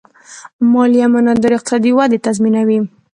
مالي امانتداري اقتصادي ودې تضمینوي.